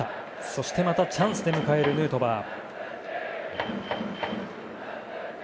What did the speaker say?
そしてまたチャンスで迎えるヌートバー。